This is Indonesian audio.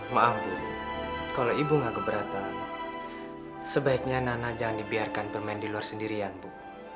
maaf bu kalau ibu nggak keberatan sebaiknya nana jangan dibiarkan bermain di luar sendirian bu